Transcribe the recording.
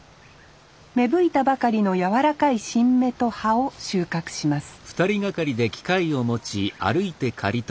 芽吹いたばかりの柔らかい新芽と葉を収獲します